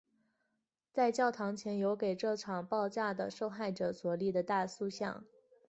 在教堂前有给这场爆炸的受害者所立的大塑像。